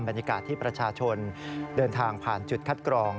บรรยากาศที่ประชาชนเดินทางผ่านจุดคัดกรอง